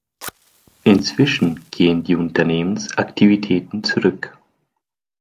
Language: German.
Inzwischen gehen die Unternehmensaktivitäten zurück.